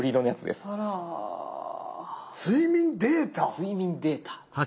「睡眠データ」。